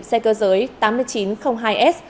xe cơ giới tám nghìn chín trăm linh hai s